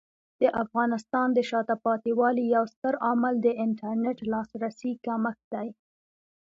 د افغانستان د شاته پاتې والي یو ستر عامل د انټرنیټ لاسرسي کمښت دی.